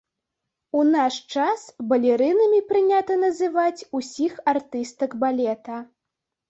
У наш час балерынамі прынята называць усіх артыстак балета.